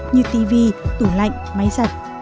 như tv tủ lạnh máy giặt